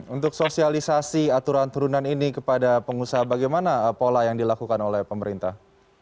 untuk sosialisasi aturan turunan ini kepada pengusaha bagaimana pola yang dilakukan oleh pemerintah